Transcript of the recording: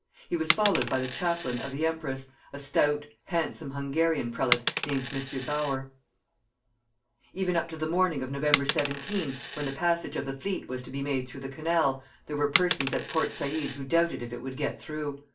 He was followed by the chaplain of the empress, a stout, handsome Hungarian prelate named M. Bauer. [Footnote 1: Blackwood's Magazine.] Even up to the morning of November 17, when the passage of the fleet was to be made through the canal, there were persons at Port Saïd who doubted if it would get through.